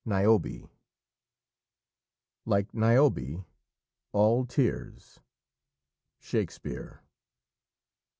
NIOBE "... Like Niobe, all tears." Shakespeare.